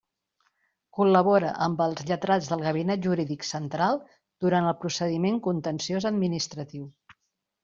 Col·labora amb els lletrats del Gabinet Jurídic Central durant el procediment contenciós administratiu.